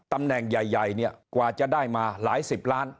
ตำแหน่งใหญ่เนี่ยกว่าจะได้มาหลายสิบล้าน